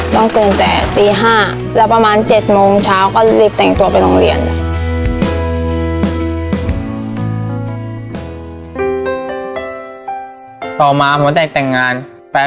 น้องกุลแต่ตี๕วันและประมาณ๗โมงเช้าก็ไปลิฟต่างตัวลงเรียน